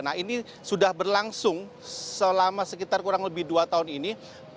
nah ini sudah berlangsung selama sekitar kurang lebih dua tahun ini